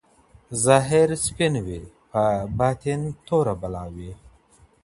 ظاهر سپین وي په باطن توره بلا وي